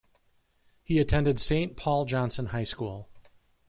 He attended Saint Paul Johnson High School.